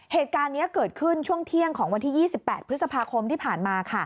เหตุการณ์นี้เกิดขึ้นช่วงเที่ยงของวันที่๒๘พฤษภาคมที่ผ่านมา